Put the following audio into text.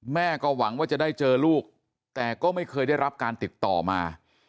แม่ก็หวังว่าจะได้เจอลูกแต่ก็ไม่เคยได้รับการติดต่อมา